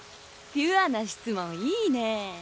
ピュアな質問いいねぇ。